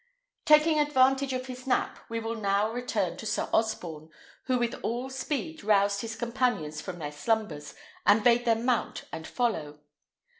Taking advantage of his nap, we will now return to Sir Osborne, who with all speed roused his companions from their slumbers, and bade them mount and follow.